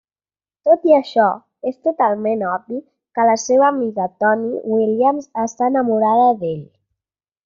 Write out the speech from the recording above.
Tot i això, és totalment obvi que la seva amiga Toni Williams està enamorada d'ell.